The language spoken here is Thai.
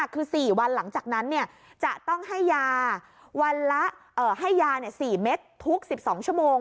คือ๔วันหลังจากนั้นจะต้องให้ยา๔เมตรทุก๑๒ชั่วโมง